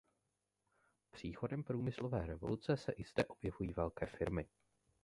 Příchodem průmyslové revoluce se i zde objevují velké firmy.